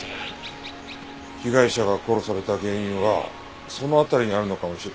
被害者が殺された原因はその辺りにあるのかもしれ。